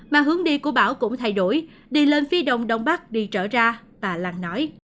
mà hướng đi của bão cũng thay đổi đi lên phía đông đông bắc đi trở ra tà làng nói